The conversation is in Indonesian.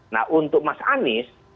nah untuk mas anies